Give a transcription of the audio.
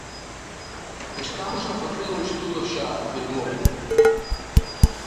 Estamos a facer o estudo xa, afirmou.